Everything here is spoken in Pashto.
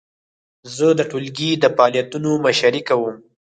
زه د ټولګي د فعالیتونو مشري کوم.